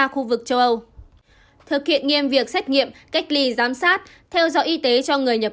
khu vực châu âu thực hiện nghiêm việc xét nghiệm cách ly giám sát theo dõi y tế cho người nhập